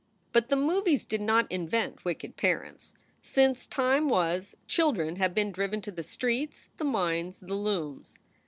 But the movies did not invent wicked parents. Since time was, children have been driven to the streets, the mines, the looms.